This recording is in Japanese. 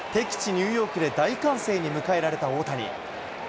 ニューヨークで大歓声に迎えられた大谷。